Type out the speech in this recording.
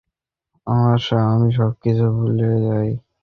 আমি সবকিছু ভুলে যাই।